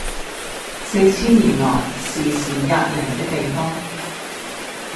四千年來時時喫人的地方，